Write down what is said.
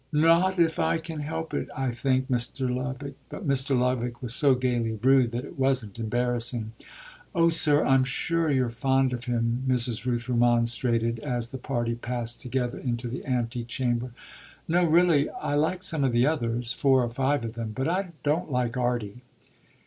"Not if I can help it I think!" But Mr. Lovick was so gaily rude that it wasn't embarrassing. "Oh sir, I'm sure you're fond of him," Mrs. Rooth remonstrated as the party passed together into the antechamber. "No, really, I like some of the others four or five of them; but I don't like Arty."